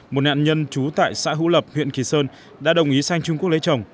một nạn nhân trú tại xã hữu lập huyện kỳ sơn đã đồng ý sang trung quốc lấy chồng